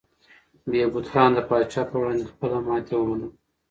بهبود خان د پاچا په وړاندې خپله ماتې ومنله.